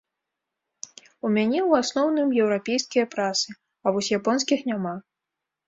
У мяне ў асноўным еўрапейскія прасы, а вось японскіх няма.